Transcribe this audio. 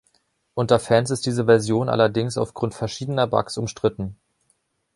Unter Fans ist diese Version allerdings aufgrund verschiedener Bugs umstritten.